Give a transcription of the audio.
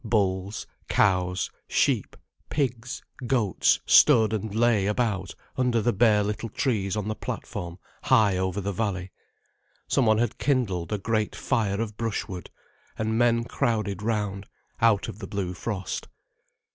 Bulls, cows, sheep, pigs, goats stood and lay about under the bare little trees on the platform high over the valley: some one had kindled a great fire of brush wood, and men crowded round, out of the blue frost.